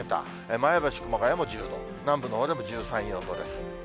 前橋、熊谷も１０度、南部のほうでも１３、４度です。